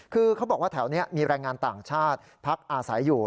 คือเขาบอกว่าแถวนี้มีแรงงานต่างชาติพักอาศัยอยู่